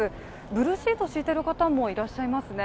ブルーシートを敷いてる方もいらっしゃいますね。